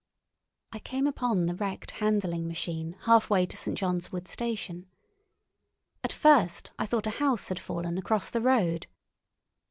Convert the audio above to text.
I came upon the wrecked handling machine halfway to St. John's Wood station. At first I thought a house had fallen across the road.